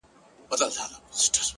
ملا صاحب دې گرځي بې ايمانه سرگردانه-